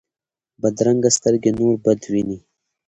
بدرنګه سترګې نور بد ویني